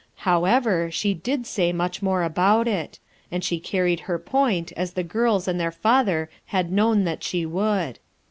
However, she did say much more about it, and she carried her point as the girls and their father had known that she would.